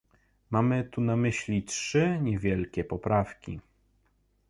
Mamy tu na myśli trzy niewielkie poprawki